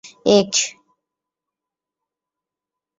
এক